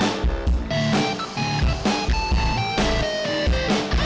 terima kasih pak